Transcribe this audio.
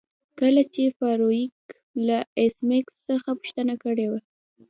کله چې فارویک له ایس میکس څخه پوښتنه کړې وه